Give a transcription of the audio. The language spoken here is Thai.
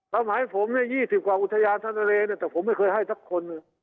ประมาณผมเนี่ย๒๐กว่าอุทยานทะเลน่ะแต่ผมไม่เคยให้ทั้งคน